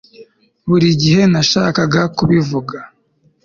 buri gihe nashakaga kubivuga